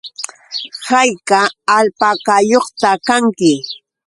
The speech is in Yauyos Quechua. ¿Hayka alpakayuqta kanki?